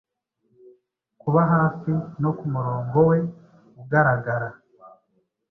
Kuba hafi, no kumurongo we ugaragara,